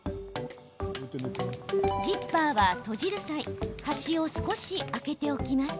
ジッパーは閉じる際端を少し開けておきます。